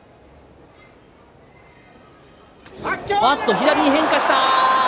左に変化した。